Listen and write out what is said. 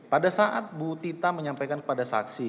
pada saat bu tita menyampaikan kepada saksi